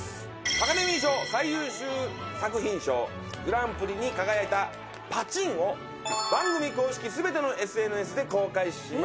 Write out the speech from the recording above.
タカデミー賞最優秀作品賞グランプリに輝いた「パチンッ」を番組公式全てのＳＮＳで公開します。